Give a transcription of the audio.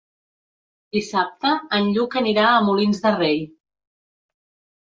Dissabte en Lluc anirà a Molins de Rei.